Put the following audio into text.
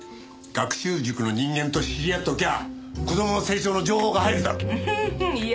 学習塾の人間と知り合っときゃ子供の成長の情報が入るだろう。